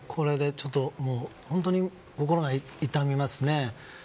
本当に心が痛みますね。